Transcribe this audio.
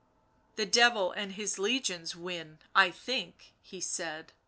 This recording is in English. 44 The Devil and his legions win, I think," he said.